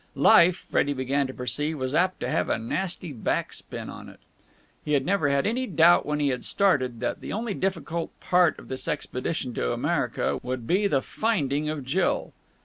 Life, Freddie began to perceive, was apt to have a nasty back spin on it. He had never had any doubt when he had started, that the only difficult part of this expedition to America would be the finding of Jill.